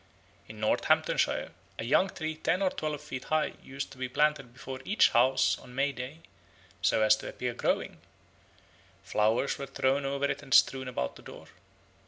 In Northamptonshire a young tree ten or twelve feet high used to be planted before each house on May Day so as to appear growing; flowers were thrown over it and strewn about the door.